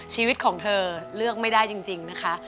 ชีวิตของเธอเลือกไม่ได้จริงนะคะ